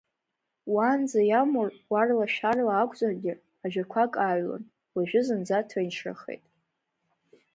Уаанӡа иамур, уарла-шәарла акәзаргьы, ажәақәак ааҩлон, уажәы зынӡа ҭынчрахеит.